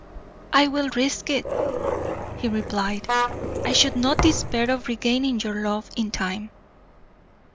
"I will risk it," he replied. "I should not despair of regaining your love in time."